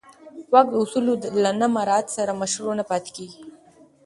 واک د اصولو له نه مراعت سره مشروع نه پاتې کېږي.